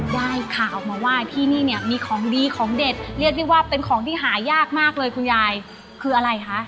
ได้ข่าวมาว่าที่นี่เนี่ยมีของดีของเด็ดเรียกได้ว่าเป็นของที่หายากมากเลยคุณยายคืออะไรคะ